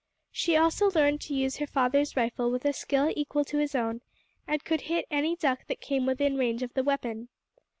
She also learned to use her father's rifle with a skill equal to his own, and could hit any duck that came within range of the weapon.